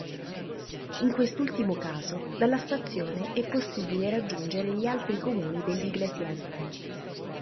In quest'ultimo caso dalla stazione è possibile raggiungere gli altri comuni dell'Iglesiente.